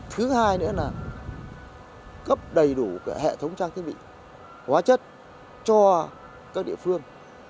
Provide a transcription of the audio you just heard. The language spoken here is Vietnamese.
thứ hai nữa là cấp đầy đủ hệ thống trang thiết bị hóa chất cho các địa phương